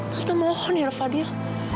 tante mohon ya fadil